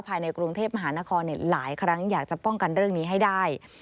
ภายในกรุงเทพมหานครหลายครั้งอยากจะป้องกันเรื่องนี้ให้ได้